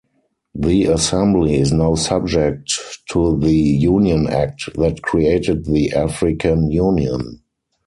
The Assembly is now subject to the Union Act that created the African Union.